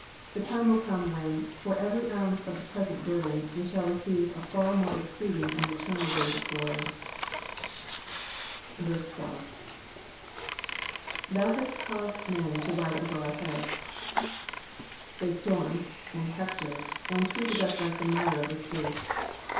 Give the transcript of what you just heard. The time will come when, for erery oonce of present burden, we shall receive a far more exceeding and eternal weight of glory. 13. 7%^i hast caused men to ride over our htad»/^ They f formed, and hectored, anr] treated us like the mire of the street.